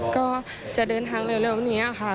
ก็จะเดินทางเร็วนี้ค่ะ